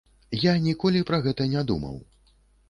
Я ніколі пра гэта не думаў.